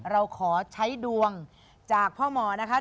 เราขอใช้ดวงจากพ่อหมอนะครับ